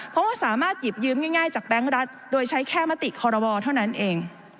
เพราะว่าสามารถหยิบยืมง่ายจากแบงค์รัฐโดยใช้แค่มติคอรมอเท่านั้นเอง